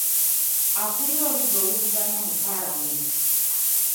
Akulira oludda oluvuganya mu paalamenti.